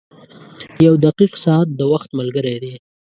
• یو دقیق ساعت د وخت ملګری دی.